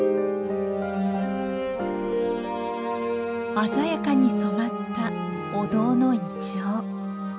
鮮やかに染まったお堂のイチョウ。